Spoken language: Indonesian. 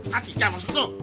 hati kak masuk tuh